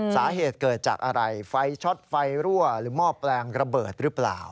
สาเหตุเกิดจากอะไรไฟช็อตไฟรั่วหรือหม้อแปลงระเบิดหรือเปล่า